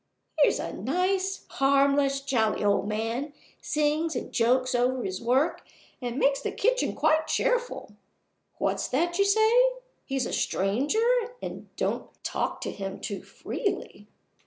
Here's a nice, harmless, jolly old man! sings and jokes over his work, and makes the kitchen quite cheerful. What's that you say? He's a stranger, and don't talk to him too freely.